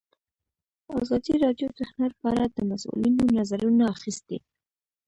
ازادي راډیو د هنر په اړه د مسؤلینو نظرونه اخیستي.